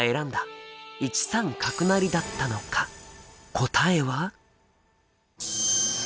答えは？